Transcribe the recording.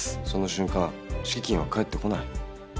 その瞬間敷金は返ってこない。